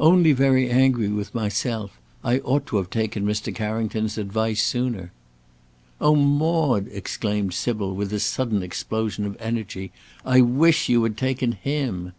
"Only very angry with myself. I ought to have taken Mr. Carrington's advice sooner." "Oh, Maude!" exclaimed Sybil, with a sudden explosion of energy; "I wish you had taken him!"